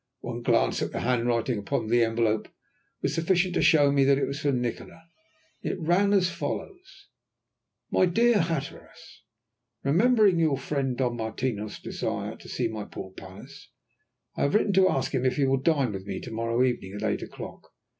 One glance at the handwriting upon the envelope was sufficient to show me that it was from Nikola. It ran as follows "MY DEAR HATTERAS, "Remembering your friend Don Martinos' desire to see my poor palace, I have written to ask him if he will dine with me to morrow evening at eight o'clock.